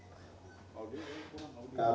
kpk telah mempelajari secara seksama